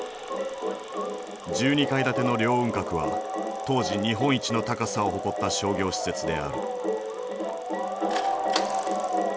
１２階建ての凌雲閣は当時日本一の高さを誇った商業施設である。